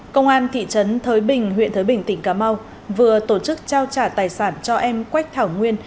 công an thị trấn thới bình huyện thới bình tỉnh cà mau vừa tổ chức trao trả tài sản cho em quách thảo nguyên